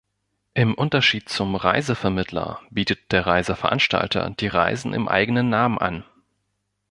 Im Unterschied zum Reisevermittler bietet der Reiseveranstalter die Reisen im eigenen Namen an.